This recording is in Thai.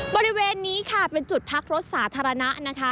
บริเวณนี้ค่ะเป็นจุดพักรถสาธารณะนะคะ